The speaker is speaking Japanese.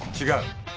違う。